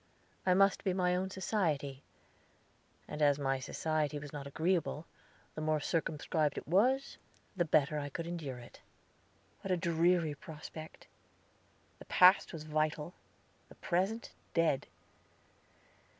I must be my own society, and as my society was not agreeable, the more circumscribed it was, the better I could endure it. What a dreary prospect! The past was vital, the present dead!